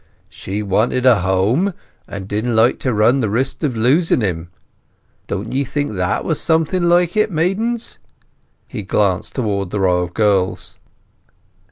She wanted a home, and didn't like to run the risk of losing him. Don't ye think that was something like it, maidens?" He glanced towards the row of girls.